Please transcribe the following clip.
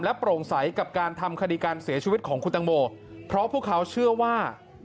โปร่งใสกับการทำคดีการเสียชีวิตของคุณตังโมเพราะพวกเขาเชื่อว่า